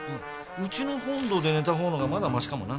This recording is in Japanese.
うちの本堂で寝た方のがまだましかもな。